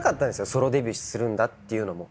ソロデビューするんだっていうのも。